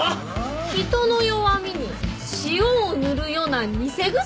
「人の弱みに塩を塗るよな偽薬」